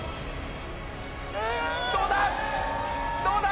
どうだ！？